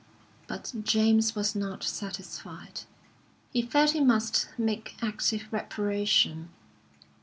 But James was not satisfied. He felt he must make active reparation.